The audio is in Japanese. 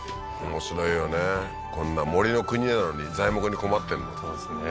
面白いよねこんな森の国なのに材木に困ってんのそうですね